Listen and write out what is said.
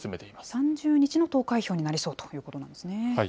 ３０日の投開票になりそうということなんですね。